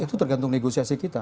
itu tergantung negosiasi kita